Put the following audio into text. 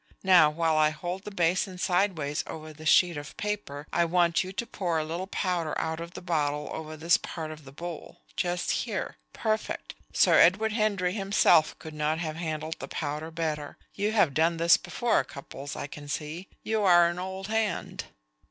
Now while I hold the basin side ways over this sheet of paper, I want you to pour a little powder out of the bottle over this part of the bowl just here.... Perfect! Sir Edward Henry himself could not have handled the powder better. You have done this before, Cupples, I can see. You are an old hand."